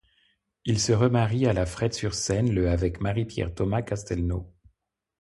Il se remarie à la Frette-sur-Seine le avec Marie-Pierre Thomas-Castelnau.